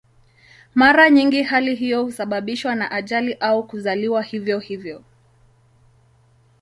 Mara nyingi hali hiyo husababishwa na ajali au kuzaliwa hivyo hivyo.